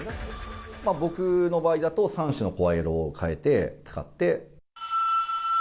まあ僕の場合だと、３種の声色を変えて使って。